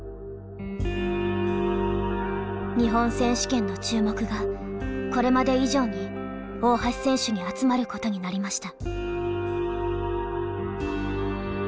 日本選手権の注目がこれまで以上に大橋選手に集まることになりました。